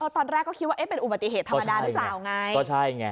ตอนแรกเขาคิดว่าเป็นอุบัติเหตุธรรมดาหรือเปล่าไง